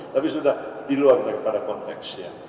tapi sudah diluar daripada konteksnya